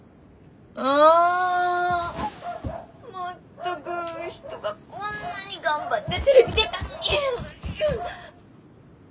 全く人がこんなに頑張ってテレビ出たのに。